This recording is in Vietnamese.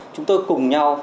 chúng tôi cùng nhau